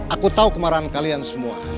aku tahu kemarahan kalian semua